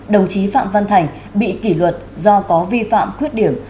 đồng chí phạm văn thành bị kỷ luật do có vi phạm khuyết điểm